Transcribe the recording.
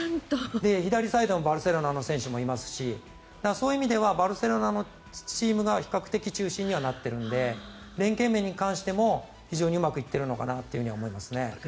左サイドのバルセロナの選手もいますしそういう意味ではバルセロナのチームが比較的中心にはなっているので連係面に関しても非常にうまくいっているのかなと思いますね。